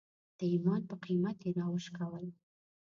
د ایمان په قیمت یې راوشکول.